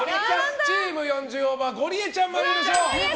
チーム４０オーバーゴリエさん、参りましょう。